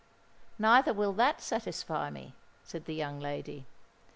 "Neither will that satisfy me," said the young lady.